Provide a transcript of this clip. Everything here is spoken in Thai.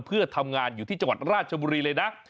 เพื่อทำงานอยู่ที่จังหวัดราชบุรีเลยนะ